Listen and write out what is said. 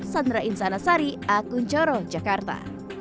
sandra insanasari akun coro jakarta